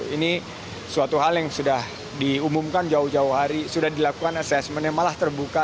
ini suatu hal yang sudah diumumkan jauh jauh hari sudah dilakukan assessmentnya malah terbuka